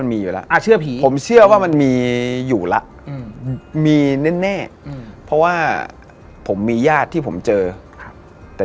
เอ้ยถ้าเชื่อเอ้ยอาจจะ๔๐